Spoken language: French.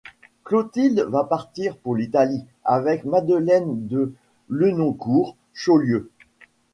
Clotilde va partir pour l’Italie avec Madeleine de Lenoncourt-Chaulieu.